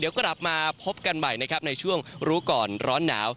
เดี๋ยวกลับมาพบกันใหม่นะครับในช่วงรู้ก่อนร้อนหนาว